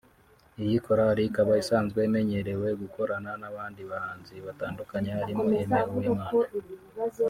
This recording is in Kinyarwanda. Iyi korali ikaba isanzwe imenyerewe gukorana n’abandi bahanzi batandukanye harimo Aime Uwimana